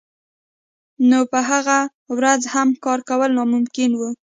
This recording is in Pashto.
نو په هغه ورځ هم کار کول ناممکن وو